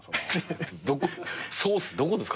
ソースどこですか？